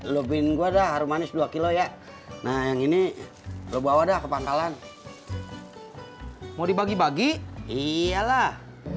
lebih gue dah harum manis dua kilo ya nah yang ini lu bawa dah kepantalan mau dibagi bagi iyalah